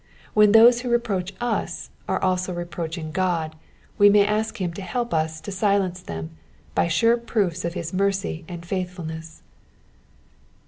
When those who reproach us are also reproaching God, we may ask him to help us to silence them by sure proofs of his mercy and faithfulness.